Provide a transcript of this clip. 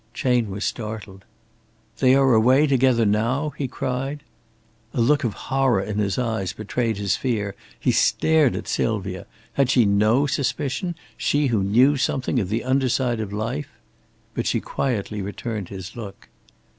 Chayne was startled. "They are away together now?" he cried. A look of horror in his eyes betrayed his fear. He stared at Sylvia. Had she no suspicion she who knew something of the under side of life? But she quietly returned his look.